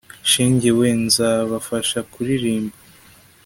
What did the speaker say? shenge we, nzabafasha kuririmba